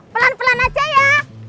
pelan pelan aja ya